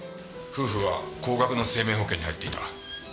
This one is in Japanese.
夫婦は高額の生命保険に入っていた。